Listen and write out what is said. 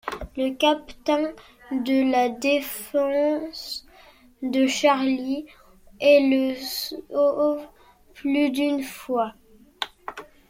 Le Captain prend la défense de Charly et le sauve plus d'une fois.